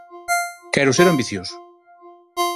Quero ser ambicioso.